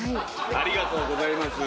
ありがとうございます。